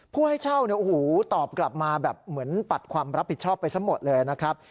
ผู้ให้เช่าเนี่ยโอ้โหตอบกลับมาแบบเหมือนปัดความรับผิดชอบไปซะหมดเลยนะครับ